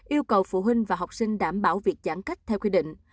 yêu cầu phụ huynh và học sinh đảm bảo việc giãn cách theo quy định